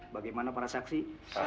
bagaimana para saksi